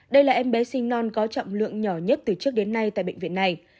đây là em bé sinh non có trọng lượng nhỏ nhất từ trước đến nay tại bệnh viện này